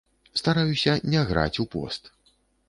Стараюся не граць у пост.